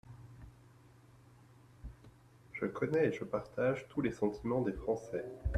Je connais et je partage tous les sentimens des Français.